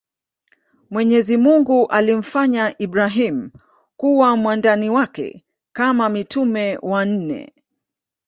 Mwenyezimungu alimfanya Ibrahim kuwa mwandani wake Kama mitume wanne